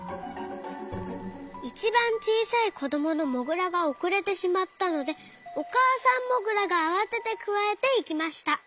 いちばんちいさいこどものモグラがおくれてしまったのでおかあさんモグラがあわててくわえていきました。